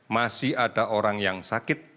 masih ada orang yang sakit